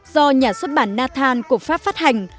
do nhà xuất bản nathan của pháp phát hành